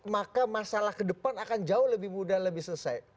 maka masalah ke depan akan jauh lebih mudah lebih selesai